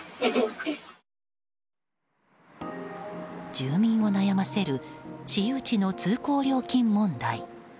住民を悩ませる私有地の通行料金問題。